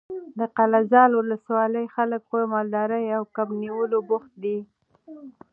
د قلعه زال ولسوالۍ خلک په مالدارۍ او کب نیولو بوخت دي.